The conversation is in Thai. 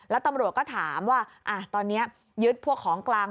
แล้วตำรวจก็ถามว่าตอนนี้ยึดพวกของกลาง